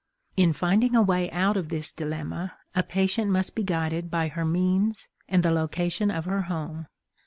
In finding a way out of this dilemma a patient must be guided by her means and the location of her home.